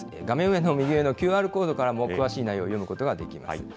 画面右上のＱＲコードからも詳しい内容を読むことができます。